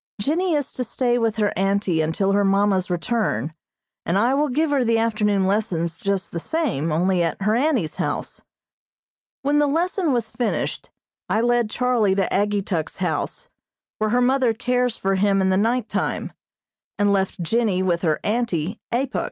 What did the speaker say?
Jennie is to stay with her auntie until her mamma's return, and I will give her the afternoon lessons just the same, only at her auntie's house. When the lesson was finished I led Charlie to Ageetuk's house, where her mother cares for him in the night time, and left Jennie with her auntie, Apuk.